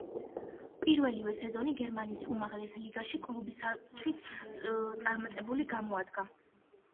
პირველივე სეზონი გერმანიის უმაღლეს ლიგაში კლუბისთვის წარმატებული გამოდგა.